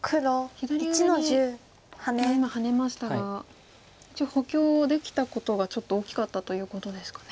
左上に今ハネましたが一応補強できたことがちょっと大きかったということですかね。